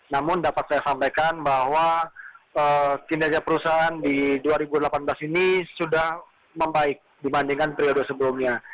namun dapat saya sampaikan bahwa kinerja perusahaan di dua ribu delapan belas ini sudah membaik dibandingkan periode sebelumnya